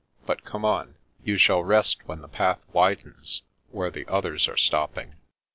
But come on. You shall rest when the path widens, where the others are stopping."